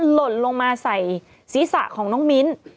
หล่นลงมาใส่ศีรษะของน้องมิ้น